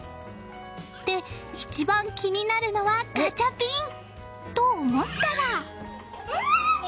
で、一番気になるのはガチャピン！と思ったら。